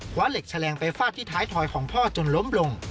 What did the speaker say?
เหล็กแฉลงไปฟาดที่ท้ายถอยของพ่อจนล้มลง